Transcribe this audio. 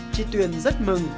tri tuyền rất mừng